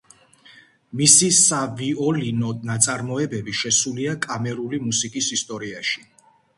მისი სავიოლინო ნაწარმოებები შესულია კამერული მუსიკის ისტორიაში.